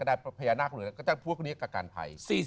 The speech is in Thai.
ก็ได้พญานาคต์เหนือก็จะพวกนี้การภัย